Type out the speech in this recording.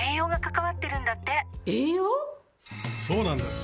そうなんです！